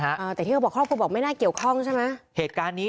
อ่าแต่ที่เขาบอกครอบครัวบอกไม่น่าเกี่ยวข้องใช่ไหมเหตุการณ์นี้